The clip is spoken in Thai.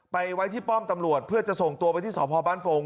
ไว้ที่ป้อมตำรวจเพื่อจะส่งตัวไปที่สพบ้านโฟง